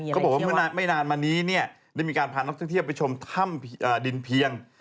บอกว่าเมื่อไม่นานมานี้เนี่ยได้มีการพานักท่องเที่ยวไปชมถ้ำดินเพียง